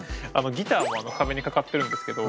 ギターも壁にかかってるんですけど